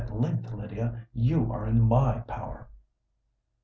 At length, Lydia, you are in my power!"